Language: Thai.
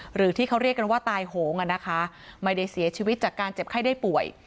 หรือที่เขาเรียกกันว่าตายโหงอ่ะนะคะไม่ได้เสียชีวิตจากการเจ็บไข้ได้ป่วย